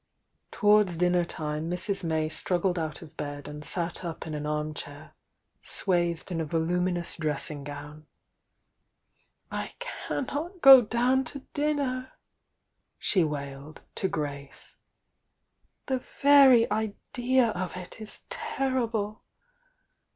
Towards dinner time Mrs. May struggled out of bed and sat up in an armchair, swathed in a volu minous dressing gown. "I cannot go down to dinner!" she wailed, to Grace. "The very idea of it is terrible!